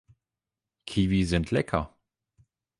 Kiwi sind lecker.